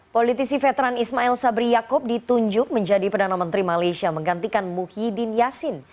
politisi veteran ismail sabri yaakob ditunjuk menjadi perdana menteri malaysia menggantikan muhyiddin yassin